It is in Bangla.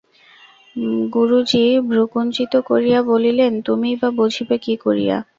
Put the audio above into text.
গুরুজি ভ্রূকুঞ্চিত করিয়া বলিলেন, তুমিই বা বুঝিবে কী করিয়া?